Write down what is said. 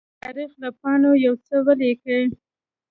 د تاریخ له پاڼو يوڅه ولیکئ!